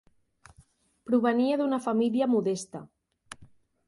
Provenia d'una família modesta.